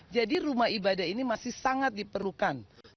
jadi rumah ibadah ini masih sangat diperlukan